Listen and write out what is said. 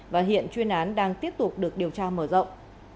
và hiện chuyên án đang tiếp tục được điều tra mở rộng